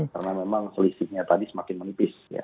karena memang selisihnya tadi semakin menipis